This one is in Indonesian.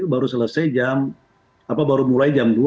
baru selesai jam apa baru mulai jam dua